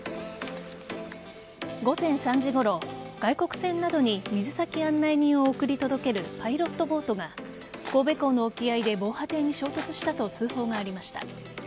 午前３時ごろ、外国船などに水先案内人を送り届けるパイロットボートが神戸港の沖合で防波堤に衝突したと通報がありました。